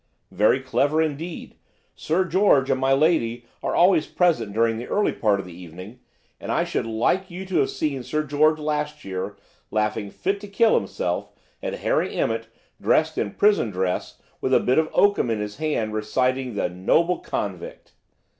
"Very clever indeed. Sir George and my lady are always present during the early part of the evening, and I should like you to have seen Sir George last year laughing fit to kill himself at Harry Emmett dressed in prison dress with a bit of oakum in his hand, reciting the "Noble Convict!"